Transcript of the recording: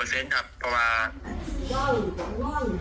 ว่าสถานการณ์ปลอดภัยไทยโหลหลายครับ